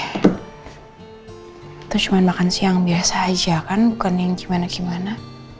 kita cuma makan siang biasa aja kan bukan yang gimana gimana